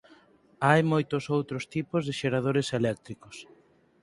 Hai moitos outros tipos de xeradores eléctricos.